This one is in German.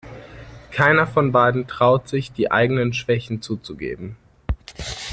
Keiner von beiden traut sich, die eigenen Schwächen zuzugeben.